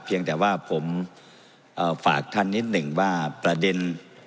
เพียงแต่ว่าผมฝากท่านนิดหนึ่งว่าประเด็น